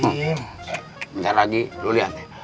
eh bentar lagi lo liat deh